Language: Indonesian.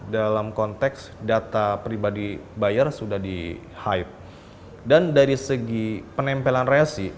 jadi kita tidak dapat informasi tentang hal hal dando dan dokumentasi